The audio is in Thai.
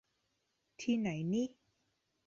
ที่ไหนนิ